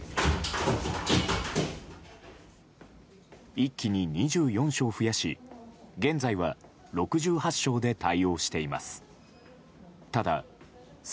一気に２４床増やし現在は６８床で対応しています。